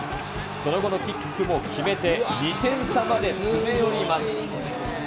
その後のキックも決めて２点差まで詰め寄ります。